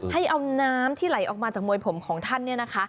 ให้เอาน้ำที่ไหลออกมาจากมวยผมของท่านเนี่ยนะคะ